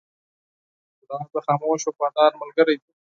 ګلاب د خاموش وفادار ملګری دی.